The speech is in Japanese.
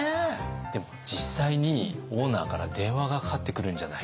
でも実際にオーナーから電話がかかってくるんじゃないか。